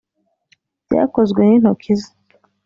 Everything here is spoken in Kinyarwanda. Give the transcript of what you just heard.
byakozwe n’intoki ze.